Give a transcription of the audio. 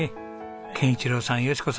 憲一郎さん淑子さん